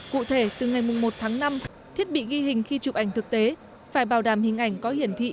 cụ thể từ ngày một tháng năm thiết bị ghi hình khi chụp ảnh thực tế phải bảo đảm hình ảnh có hiển thị